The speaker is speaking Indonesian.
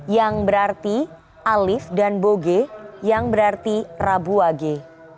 yang berarti alif dan boge yang berarti rabu age